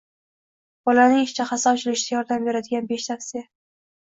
Bolaning ishtahasi ochilishida yordam beradiganbeshtavsiya